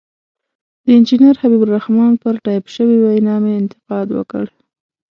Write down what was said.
د انجنیر حبیب الرحمن پر ټایپ شوې وینا مې انتقاد وکړ.